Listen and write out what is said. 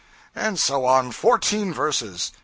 And so on fourteen verses.